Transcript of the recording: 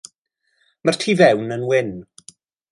Mae'r tu fewn yn wyn.